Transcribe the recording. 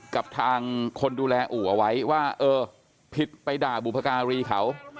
กับทางคนดูแลอู่เอาไว้ว่าเออผิดไปด่าบุพการีเขา